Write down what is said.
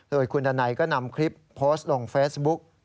โดยคุณดันัยก็นำคลิปโพสต์ลงเฟซบุ๊ก